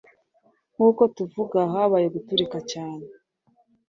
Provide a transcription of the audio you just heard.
Nkuko tuvuga, habaye guturika cyane.